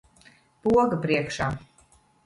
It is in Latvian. Poga priekšā.